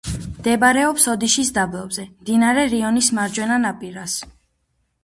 მდებარეობს ოდიშის დაბლობზე, მდინარე რიონის მარჯვენა ნაპირას.